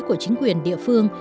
của chính quyền địa phương